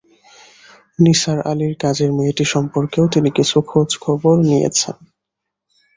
নিসার আলির কাজের মেয়েটি সম্পর্কেও তিনি কিছু খোঁজ খবর নিয়েছেন।